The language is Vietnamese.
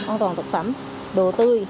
an toàn thực phẩm đồ tươi